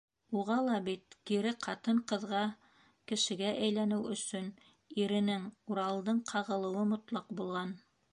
Уға ла бит, кире ҡатын- ҡыҙға - кешегә әйләнеү өсөн, иренең, Уралдың, ҡағылыуы мотлаҡ булған.